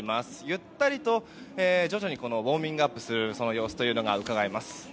ゆったりと徐々にウォーミングアップする様子がうかがえます。